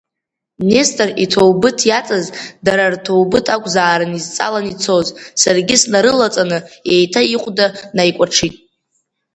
Нестор иҭоубыҭ иаҵаз, дара рҭоубыҭ акәзаарын изҵалан ицоз, саргьы снарылаҵаны, еиҭа ихәда наикәаҽит.